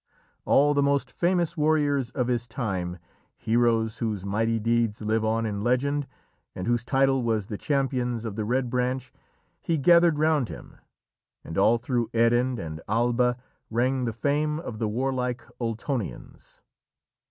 All the most famous warriors of his time, heroes whose mighty deeds live on in legend, and whose title was "The Champions of the Red Branch," he gathered round him, and all through Erin and Alba rang the fame of the warlike Ultonians.